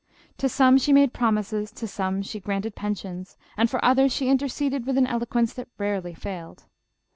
To some she raado promises, to some she granted pensions, and for others she interceded with an eloquence that rarely faiKd.